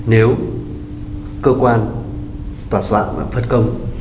nếu cơ quan tỏa soạn và phất công